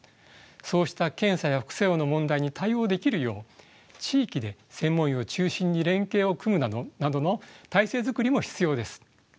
そうした検査や副作用の問題に対応できるよう地域で専門医を中心に連携を組むなどの体制づくりも必要です。